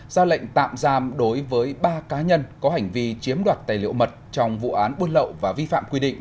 ra lệnh tạm giam đối với ba cá nhân có hành vi chiếm đoạt tài liệu mật trong vụ án buôn lậu và vi phạm quy định